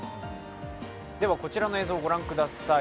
こちらの映像を御覧ください。